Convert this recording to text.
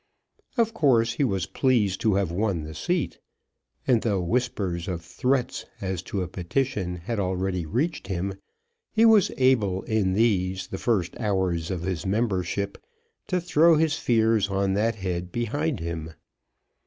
Of course he was pleased to have won the seat. And though whispers of threats as to a petition had already reached him, he was able in these, the first hours of his membership, to throw his fears on that head behind him.